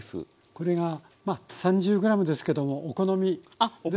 これがまあ３０ｇですけどもお好みですかね？